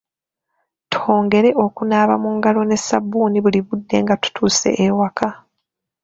Twongere okunaaba mu ngalo ne sabbuuni buli budde nga tutuuse awaka.